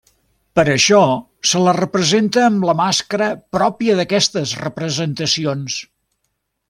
Per això se la representa amb la màscara pròpia d'aquestes representacions.